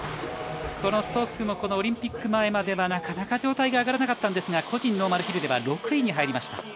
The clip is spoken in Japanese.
このストッフもこのオリンピック前までは、なかなか状態が上がらなかったですが個人ノーマルヒルでは６位に入りました。